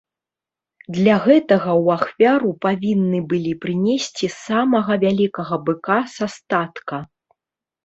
Для гэтага ў ахвяру павінны былі прынесці самага вялікага быка са статка.